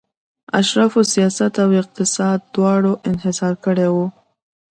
اشرافو سیاست او اقتصاد دواړه انحصار کړي وو.